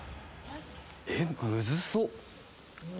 えっ⁉むずそう！